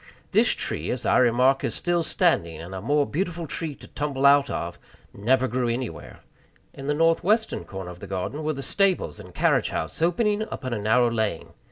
This tree, as I remark, is still standing, and a more beautiful tree to tumble out of never grew anywhere. In the northwestern corner of the garden were the stables and carriage house opening upon a narrow lane.